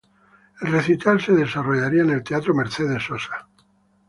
El recital se desarrollaría en el Teatro Mercedes Sosa.